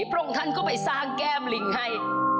พระองค์ท่านก็ไปสร้างแก้มลิงให้